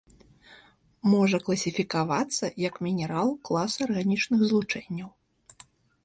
Можа класіфікавацца як мінерал класа арганічных злучэнняў.